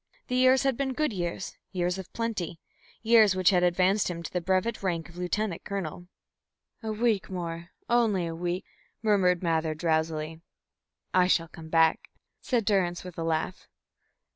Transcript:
The years had been good years, years of plenty, years which had advanced him to the brevet rank of lieutenant colonel. "A week more only a week," murmured Mather, drowsily. "I shall come back," said Durrance, with a laugh.